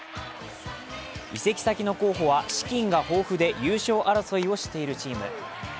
移籍先の候補は資金が豊富で優勝争いをしているチーム。